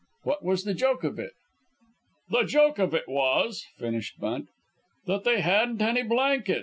What was the joke of it?" "The joke of it was," finished Bunt, "that they hadn't any blanket."